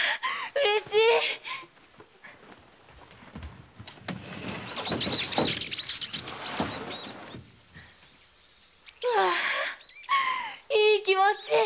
嬉しい‼わあいい気持ち。